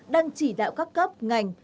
đang chỉ đạo các cấp ngành